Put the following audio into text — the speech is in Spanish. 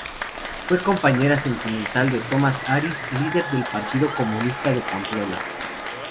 Fue compañera sentimental de Tomás Ariz, líder del Partido Comunista de Pamplona.